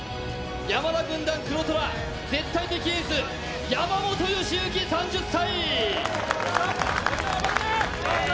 山田軍団黒虎・絶対的エース、山本良幸３０歳！